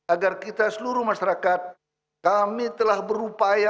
agar kita seluruh masyarakat kami telah berupaya